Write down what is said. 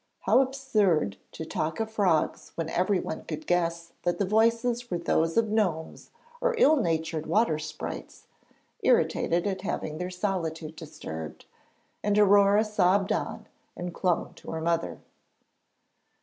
How absurd to talk of frogs when everyone could guess the voices were those of gnomes or ill natured water sprites, irritated at having their solitude disturbed, and Aurore sobbed on, and clung to her mother.